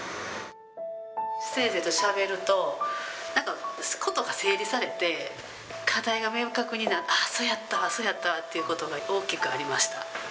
先生としゃべると、なんか、事が整理されて、課題が明確になって、ああ、そうやった、そうやったわということが、大きくありました。